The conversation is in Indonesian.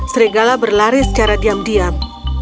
serigala berlari secara diam diam